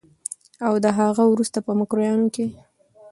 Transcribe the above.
او د هغه وروسته په مکروریانو کې